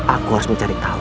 aku harus mencari tahu